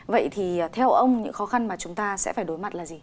vậy thì theo ông những khó khăn mà chúng ta sẽ phải đối mặt là gì